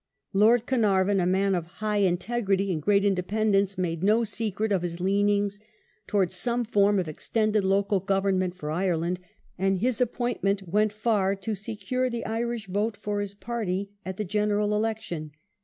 Lord Carnarvon, a man of high integrity and great independence, made no secret of his leanings towards some form of extended local government for Ireland, and his appointment went far to secure the Irish vote for his party at the General Election.